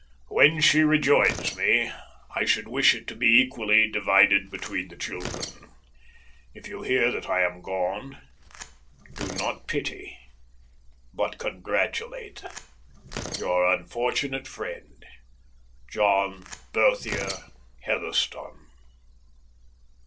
When she rejoins me I should wish it to be equally divided between the children. If you hear that I am gone, do not pity, but congratulate Your unfortunate friend, JOHN BERTHIER HEATHERSTONE.